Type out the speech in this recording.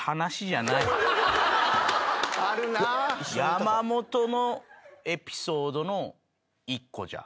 山本のエピソードの１個じゃ。